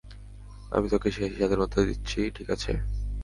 আমি তোকে সেই স্বাধীনতা দিচ্ছি, ঠিক আছে?